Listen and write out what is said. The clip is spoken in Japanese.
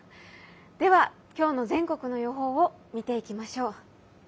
では今日の全国の予報を見ていきましょう。